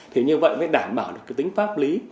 thì như vậy mới đảm bảo được cái tính pháp lý